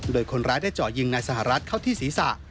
โดยคนร้ายได้เจาะยิงนายสหรัฐเข้าที่ศีรษะ